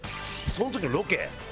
その時のロケ。